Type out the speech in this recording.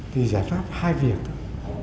thì giải pháp hai việc thôi